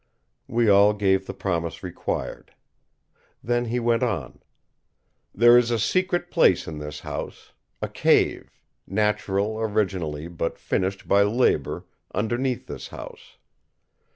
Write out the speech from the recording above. We all gave the promise required. Then he went on: "There is a secret place in this house, a cave, natural originally but finished by labour, underneath this house.